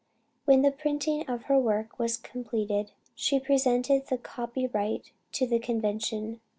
When the printing of her work was completed, she presented the copy right to the convention.